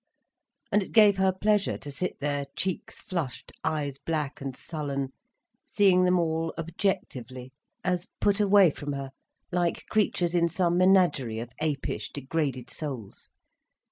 And it gave her pleasure to sit there, cheeks flushed, eyes black and sullen, seeing them all objectively, as put away from her, like creatures in some menagerie of apish degraded souls.